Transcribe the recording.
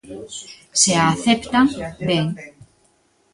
Se a aceptan, ben.